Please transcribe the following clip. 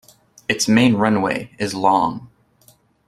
Its main runway is long.